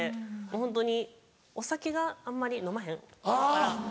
ホントにお酒があんまり飲まへんから。